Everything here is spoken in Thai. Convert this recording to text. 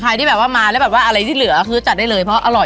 ที่แบบว่ามาแล้วแบบว่าอะไรที่เหลือคือจัดได้เลยเพราะอร่อย